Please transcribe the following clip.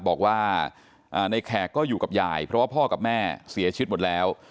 บอกว่าในแขกก็อยู่กับยายเพราะว่าพ่อกับแม่เสียชีวิตหมดแล้ว